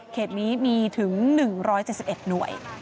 นี้มีถึง๑๗๑หน่วย